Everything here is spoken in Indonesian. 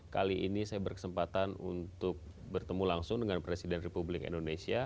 kali ini saya berkesempatan untuk bertemu langsung dengan presiden republik indonesia